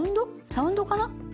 サウンドかな。